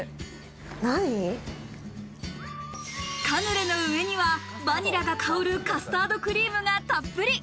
カヌレの上にはバニラが香るカスタードクリームがたっぷり。